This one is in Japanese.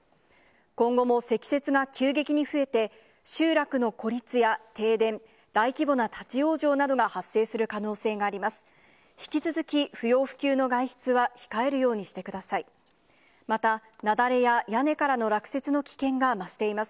今後も積雪が急激に増えて、集落の孤立や停電、大規模な立往生などが発生する可能性があります。